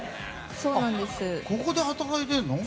ここで働いてるの？